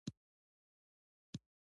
د دایکنډي په ګیتي کې د څه شي نښې دي؟